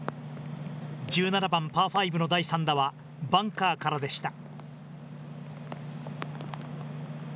１７番パーファイブの第３打はバンカーからでした。